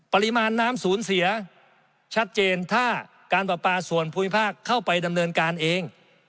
ปริมาณน้ำสูญเสียชัดเจนถ้าการประปาส่วนภูมิภาคเข้าไปดำเนินการเอง